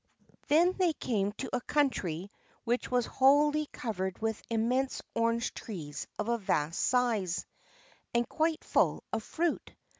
Then they came to a country which was wholly covered with immense orange trees of a vast size, and quite full of fruit.